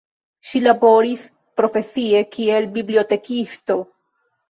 Ŝi laboris profesie kiel bibliotekisto.